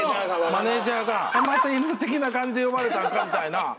マネジャーが「噛ませ犬的な感じで呼ばれたんか」みたいな。